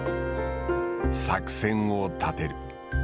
作戦を立てる。